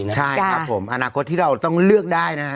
ใช่ครับผมอนาคตที่เราต้องเลือกได้นะฮะ